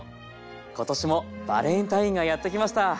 今年もバレンタインがやって来ました。